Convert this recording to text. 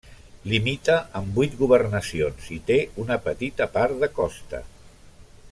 Limita amb vuit governacions i té una petita part de costa.